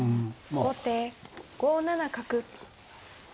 後手５七角。